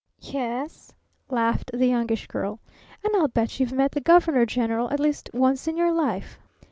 "Y e s," laughed the Youngish Girl. "And I'll bet you've met the Governor General at least once in your life."